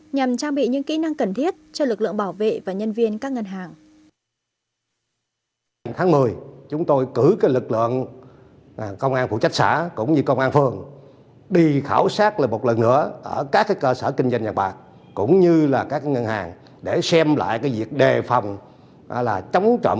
nhằm trang bị những kỹ năng cần thiết cho lực lượng bảo vệ và nhân viên các ngân hàng